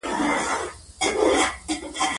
هندوکش د کلتور په داستانونو کې دی.